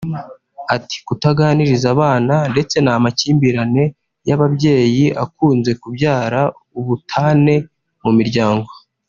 Ati “kutaganiriza abana ndetse n’ amakimbirane y’ababyeyi akunze kubyara ubutane mu miryango